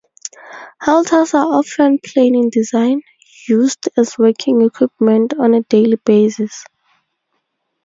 Halters are often plain in design, used as working equipment on a daily basis.